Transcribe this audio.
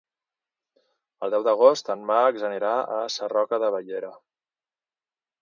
El deu d'agost en Max anirà a Sarroca de Bellera.